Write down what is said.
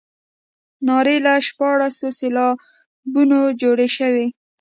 نارې له شپاړسو سېلابونو جوړې شوې.